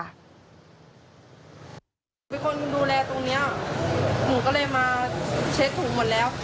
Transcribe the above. เป็นคนดูแลตรงนี้หนูก็เลยมาเช็คถุงหมดแล้ว